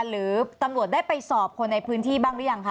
หรือตำรวจได้ไปสอบคนในพื้นที่บ้างหรือยังคะ